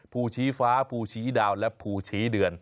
ภูชีฟ้าภูชีดาวและภูชีเดือน